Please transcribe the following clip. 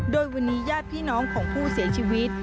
โดยวันนี้ญาติพี่น้องของผู้เสียชีวิต